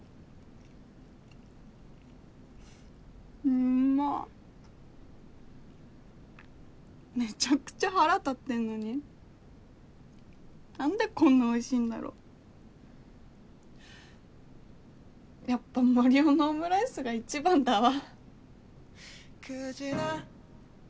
うんまっめちゃくちゃ腹立ってんのに何でこんなおいしいんだろやっぱ森生のオムライスが一番だわ